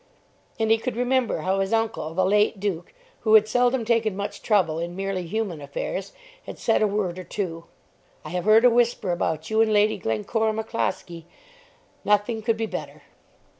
And he could remember how his uncle, the late Duke, who had seldom taken much trouble in merely human affairs, had said a word or two "I have heard a whisper about you and Lady Glencora McCloskie; nothing could be better."